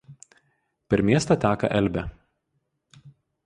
Per miestą teka Elbė.